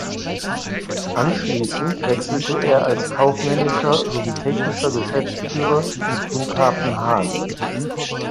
Anschließend wechselte er als kaufmännischer sowie technischer Geschäftsführer zum Flughafen Hahn.